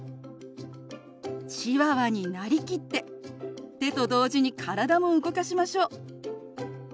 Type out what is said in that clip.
チワワになりきって手と同時に体も動かしましょう。